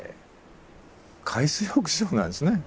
海水浴場なんですね。